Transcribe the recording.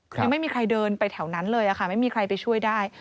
ยังไม่มีใครเดินไปแถวนั้นเลยค่ะไม่มีใครไปช่วยได้